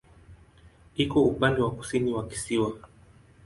Iko upande wa kusini wa kisiwa.